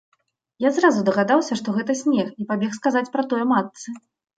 Я зразу дагадаўся, што гэта снег, і пабег сказаць пра тое матцы.